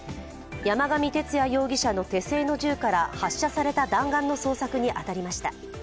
山上徹也容疑者の手製の銃から発射された弾丸の捜索に当たりました。